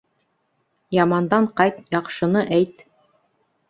Ямандан ҡайт, яҡшыны әйт.